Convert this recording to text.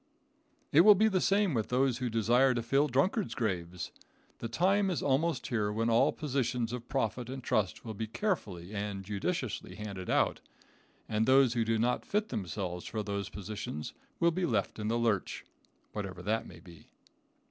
It will be the same with those who desire to fill drunkards' graves. The time is almost here when all positions of profit and trust will be carefully and judiciously handed out, and those who do not fit themselves for those positions will be left in the lurch, whatever that may be.